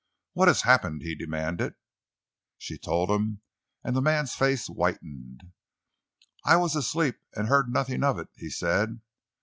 "What has happened?" he demanded. She told him, and the man's face whitened. "I was asleep, and heard nothing of it," he said.